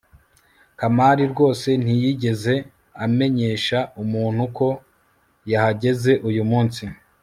kamali rwose ntiyigeze amenyesha umuntu ko yahageze uyu munsi